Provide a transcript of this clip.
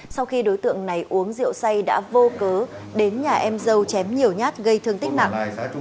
sau khi đối tượng này uống rượu say đã vô cớ đến nhà em dâu chém nhiều nhát gây thương tích nặng